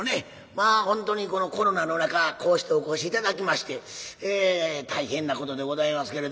まあ本当にこのコロナの中こうしてお越し頂きまして大変なことでございますけれども。